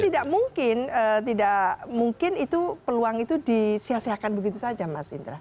dan tidak mungkin itu peluang itu disiasiakan begitu saja mas indra